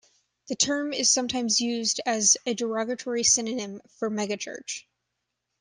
The term is sometimes used as a derogatory synonym for megachurch.